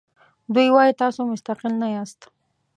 دوی وایي تاسو مستقل نه یاست.